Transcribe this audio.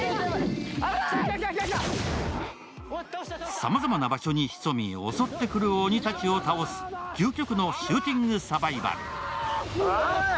さまざまな場所に潜み襲ってくる鬼たちを倒す究極のシューティングサバイバル。